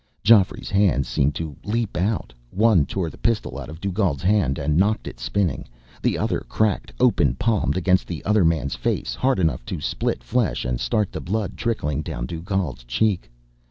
Geoffrey's hands seemed to leap out. One tore the pistol out of Dugald's hand and knocked it spinning. The other cracked, open palmed, against the other man's face, hard enough to split flesh and start the blood trickling down Dugald's cheek.